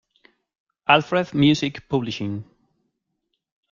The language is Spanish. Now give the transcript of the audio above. Alfred Music Publishing.